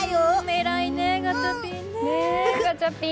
偉いね、ガチャピン。